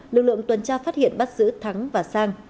lực lượng tuần tra phát hiện bắt giữ thắng và sang